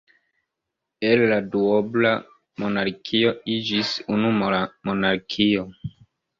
El la duobla monarkio iĝis unu monarkio.